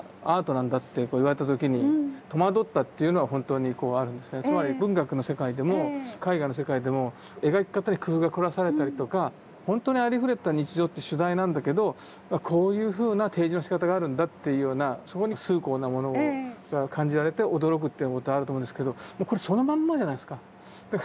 はっきり言ってつまり文学の世界でも絵画の世界でも描き方に工夫が凝らされたりとかほんとにありふれた日常って主題なんだけどこういうふうな提示のしかたがあるんだっていうようなそこに崇高なものを感じられて驚くっていうことはあると思うんですけどこれそのまんまじゃないですか。